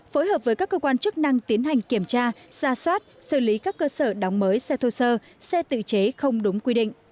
phối hợp với các cơ quan chức năng tiến hành kiểm tra ra soát xử lý các cơ sở đóng mới xe thô sơ xe tự chế không đúng quy định